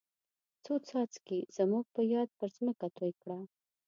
څو څاڅکي زموږ په یاد پر ځمکه توی کړه.